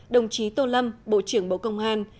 đồng chí tô lâm bộ trưởng bộ công an